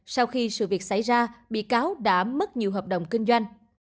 sau khi sự việc xảy ra bị cáo đã mất nhiều hợp đồng kinh doanh